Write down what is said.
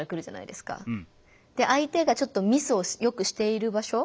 相手がちょっとミスをよくしている場所